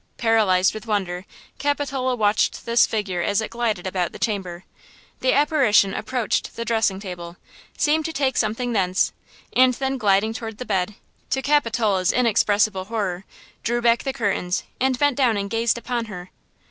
Paralyzed with wonder, Capitola watched this figure as it glided about the chamber. The apparition approached the dressing table, seemed to take something thence, and then gliding toward the bed, to Capitola's inexpressible horror, drew back the curtains and bent down and gazed upon her!